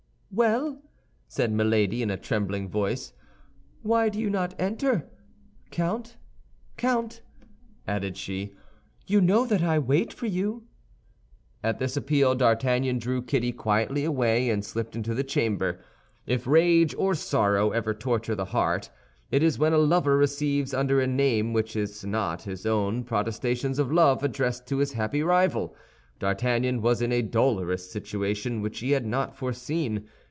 "Well," said Milady, in a trembling voice, "why do you not enter? Count, Count," added she, "you know that I wait for you." At this appeal D'Artagnan drew Kitty quietly away, and slipped into the chamber. If rage or sorrow ever torture the heart, it is when a lover receives under a name which is not his own protestations of love addressed to his happy rival. D'Artagnan was in a dolorous situation which he had not foreseen.